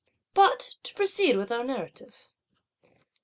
But to proceed with our narrative.